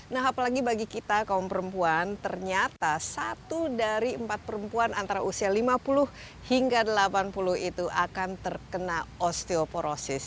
nah apalagi bagi kita kaum perempuan ternyata satu dari empat perempuan antara usia lima puluh hingga delapan puluh itu akan terkena osteoporosis